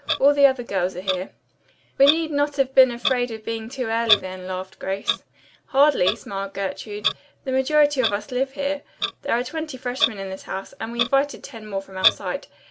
"All the other girls are here." "We need not have been afraid of being too early, then," laughed Grace. "Hardly," smiled Gertrude, "the majority of us live here. There are twenty freshmen in this house, and we invited ten more from outside.